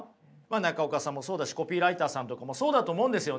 中岡さんもそうだしコピーライターさんとかもそうだと思うんですよね。